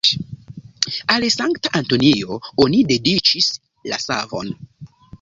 Al Sankta Antonio oni dediĉis la savon.